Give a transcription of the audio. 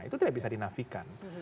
itu tidak bisa dinafikan